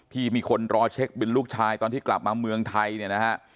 ที่มีคนรอเช็คบิลลูกชายตอนที่กลับมาเมืองไทย